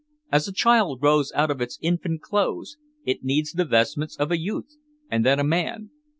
As a child grows out of its infant clothes, it needs the vestments of a youth and then a man.